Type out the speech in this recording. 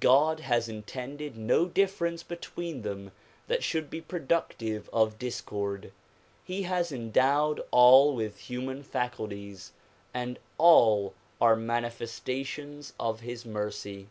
God has intended no difference between them that should be productive of discord. He has endowed all with human faculties and all are manifestations of his mercy.